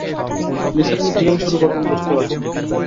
নিসার আলি কীভাবে শুরু করবেন বুঝতে পারছেন না।